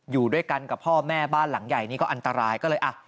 อยู่ด้วยกันกับพ่อแม่บ้านหลังใหญ่นี่ก็อันตรายก็เลยอ่ะ